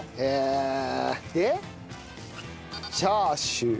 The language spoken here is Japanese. チャーシュー。